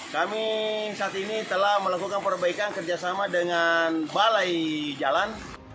kami saat ini telah melakukan perbaikan kerjasama dengan balai jalan